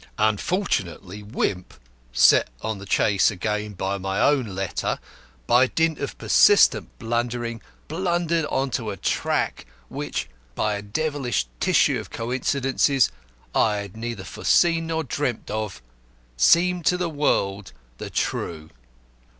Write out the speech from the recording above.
"Unfortunately, Wimp, set on the chase again by my own letter, by dint of persistent blundering, blundered into a track which by a devilish tissue of coincidences I had neither foreseen nor dreamt of seemed to the world the true.